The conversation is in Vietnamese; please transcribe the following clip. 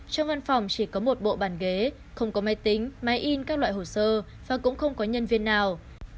trong văn phòng chỉ có một bộ bàn ghế không có máy tính máy in các loại hồ sơ và cũng không có nhân viên nào